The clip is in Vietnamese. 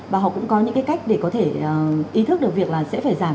và họ cũng có những cái cách để có thể ý thức được việc là sẽ phải giảm